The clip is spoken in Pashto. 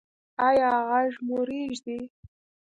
ایا غږ مو ریږدي؟